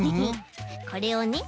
これをね